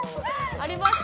ありました。